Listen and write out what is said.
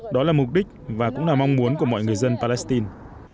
đó là mục đích và cũng là mong muốn của mọi người dân palestine